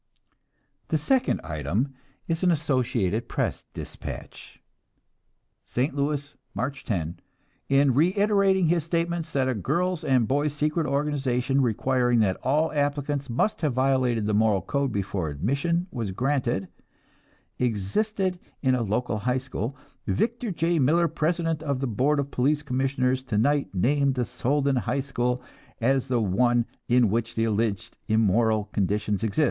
'" The second item is an Associated Press despatch: "ST. LOUIS, March 10. In reiterating his statement that a girls' and a boys' secret organization requiring that all applicants must have violated the moral code before admission was granted, existed in a local high school, Victor J. Miller, president of the Board of Police Commissioners, tonight named the Soldan High School as the one in which the alleged immoral conditions exist.